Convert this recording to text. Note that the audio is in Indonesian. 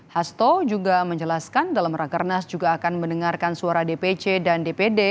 hasto juga menjelaskan dalam rakernas juga akan mendengarkan suara dpc dan dpd